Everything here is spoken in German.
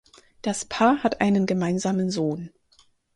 Das Paar hat einen gemeinsamen Sohn.